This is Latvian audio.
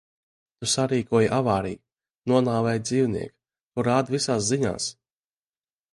Tu sarīkoji avāriju, nonāvēji dzīvnieku. To rāda visās ziņās.